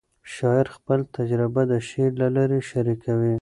شاعر خپل تجربه د شعر له لارې شریکوي.